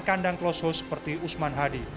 kandang close host seperti usman hadi